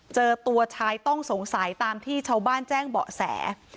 เจอตัวชายต้องสงสัยตามที่ชาวบ้านแจ้งเบาะแส